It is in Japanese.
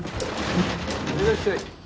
いらっしゃい